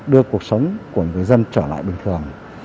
đưa cuộc sống của người dân trở lại bình thường